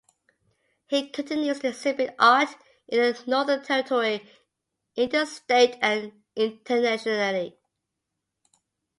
He continues to exhibit art in the Northern Territory, interstate and internationally.